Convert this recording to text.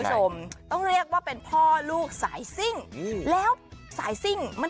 ครัวจากประหลาด